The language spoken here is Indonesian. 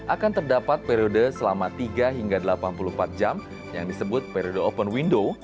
akan terdapat periode selama tiga hingga delapan puluh empat jam yang disebut periode open window